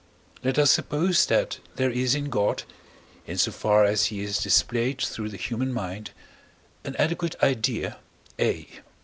Let us suppose that there is in God, in so far as he is displayed through the human mind, an adequate idea, A.